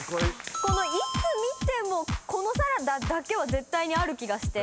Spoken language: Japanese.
いつ見てもこのサラダだけは絶対にある気がして。